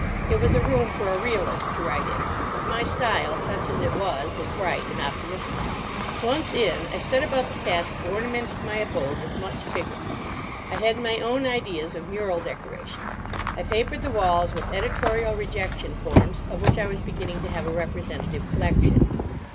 It was a room for a realist to write in; and my style, such as it was, was bright and optimistic. Once in, I set about the task of ornamenting my abode with much vigour. I had my own ideas of mural decoration. I papered the walls with editorial rejection forms, of which I was beginning to have a representative collection.